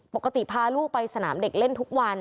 พาลูกไปสนามเด็กเล่นทุกวัน